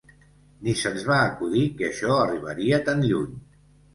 Ni se'ns va acudir que això arribaria tan lluny.